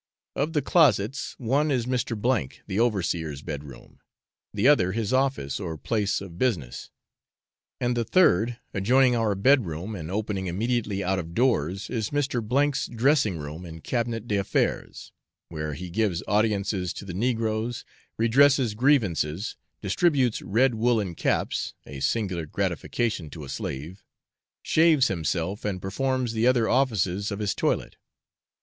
Of the closets, one is Mr. the overseer's bed room, the other his office or place of business; and the third, adjoining our bed room, and opening immediately out of doors, is Mr. 's dressing room and cabinet d'affaires, where he gives audiences to the negroes, redresses grievances, distributes red woollen caps (a singular gratification to a slave), shaves himself, and performs the other offices of his toilet.